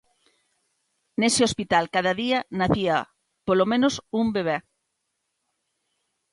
Nese hospital cada día nacía polo menos un bebé.